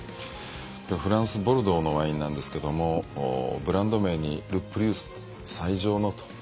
これフランス・ボルドーのワインなんですけどもブランド名にルプリウス最上のと。